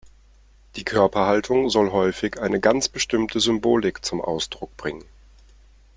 Die Körperhaltung soll häufig eine ganz bestimmte Symbolik zum Ausdruck bringen.